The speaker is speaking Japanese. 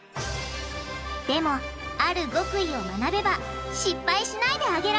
でもある極意を学べば失敗しないで揚げられるんです！